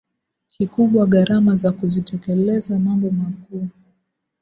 kikubwa gharama za kuzitekelezaMambo makuu